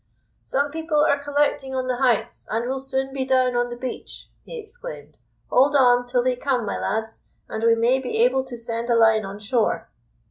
"Some people are collecting on the heights, and will soon be down on the beach," he exclaimed. "Hold on till they come, my lads, and we may be able to send a line on shore."